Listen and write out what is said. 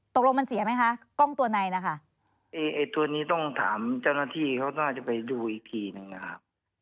ตกลงมันเสียไหมคะกล้องตัวในนะคะไอ้ตัวนี้ต้องถามเจ้าหน้าที่เขาน่าจะไปดูอีกทีนึงนะครับ